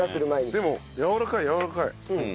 でもやわらかいやわらかい。